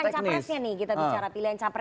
soal pilihan capresnya nih kita bicara pilihan capres